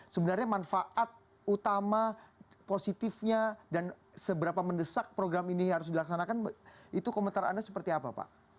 sebenarnya manfaat utama positifnya dan seberapa mendesak program ini harus dilaksanakan itu komentar anda seperti apa pak